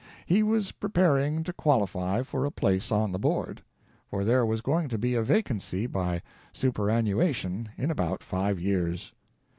He was preparing to qualify for a place on the Board, for there was going to be a vacancy by • superannuation in about five years.